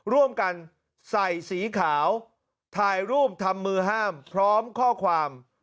ร่วมกันใส่สีขาวถ่ายรูปทำมือห้ามพร้อมข้อความ